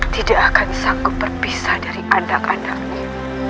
tidak akan sanggup berpisah dari anak anaknya